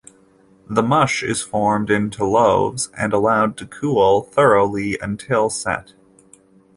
The mush is formed into loaves and allowed to cool thoroughly until set.